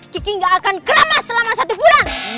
kiki nggak akan keramas selama satu bulan